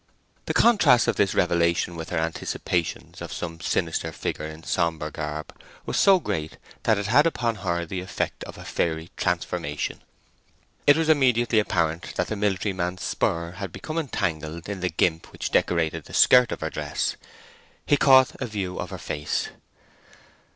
The contrast of this revelation with her anticipations of some sinister figure in sombre garb was so great that it had upon her the effect of a fairy transformation. It was immediately apparent that the military man's spur had become entangled in the gimp which decorated the skirt of her dress. He caught a view of her face.